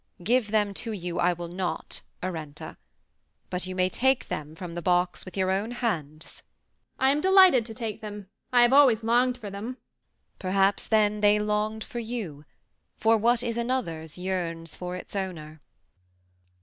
"Give them to you, I will not, Arenta; but you may take them from the box with your own hands." "I am delighted to take them. I have always longed for them." "Perhaps then they longed for you, for what is another's yearns for its owner."